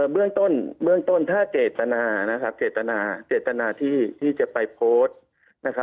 เบื้องต้นเบื้องต้นถ้าเกตนาที่จะไปโพสต์